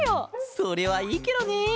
それはいいケロね！